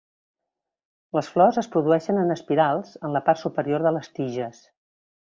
Les flors es produeixen en espirals, en la part superior de les tiges.